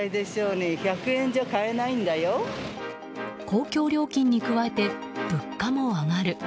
公共料金に加えて物価も上がる。